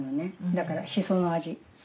だからシソの味。